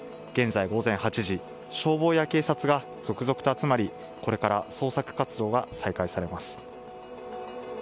現在午前８時、消防や警察が続々と集まりこれから捜索活動が再開されます。